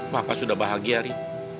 papa sudah bahagia ri